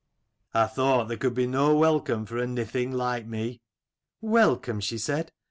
" I thought there could be no welcome for a nithing like me." "Welcome?" she said.